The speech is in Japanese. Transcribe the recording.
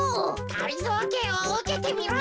がりぞーけんをうけてみろ。